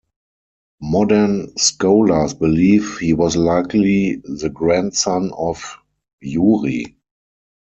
Modern scholars believe he was likely the grandson of Yuri.